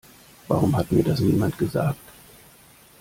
Warum hat mir das niemand gesagt?